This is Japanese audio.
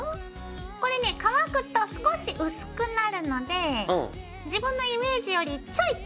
これね乾くと少し薄くなるので自分のイメージよりちょい濃いめがいいかな。